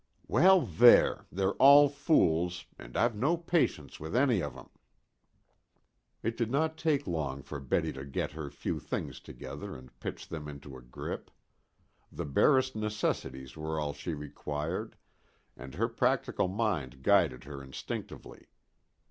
"Well there, they're all fools, and I've no patience with any of 'em." It did not take long for Betty to get her few things together and pitch them into a grip. The barest necessities were all she required, and her practical mind guided her instinctively.